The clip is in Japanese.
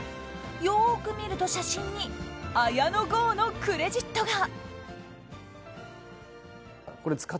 よく見ると、写真に綾野剛のクレジットが。